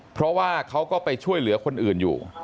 เพราะว่าเขาก็ไปช่วยเหลือคนอื่นอยู่